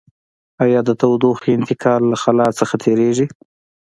آیا د تودوخې انتقال له خلاء څخه تیریږي؟